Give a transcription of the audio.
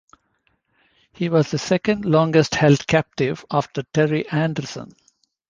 He was the second-longest held captive after Terry Anderson.